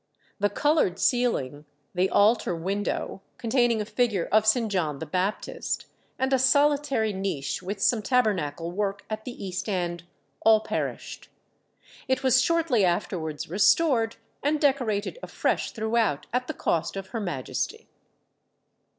The coloured ceiling, the altar window, containing a figure of St. John the Baptist, and a solitary niche with some tabernacle work at the east end, all perished. It was shortly afterwards restored and decorated afresh throughout, at the cost of Her Majesty.